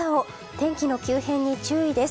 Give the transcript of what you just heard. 天気の急変に注意です。